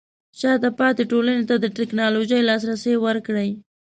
شاته پاتې ټولنې ته د ټیکنالوژۍ لاسرسی ورکړئ.